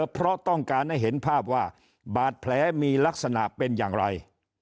เพราะต้องการให้เห็นภาพว่าบาดแผลมีลักษณะเป็นอย่างไร